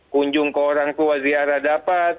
kunjung ke orang tua ziarah dapat